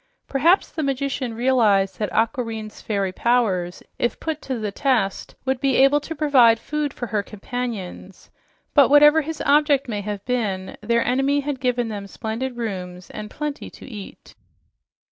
Perhaps the magician realized that Aquareine's fairy powers, if put to the test, would be able to provide food for her companions, but whatever his object may have been, their enemy had given them splendid rooms and plenty to eat.